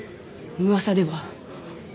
噂では。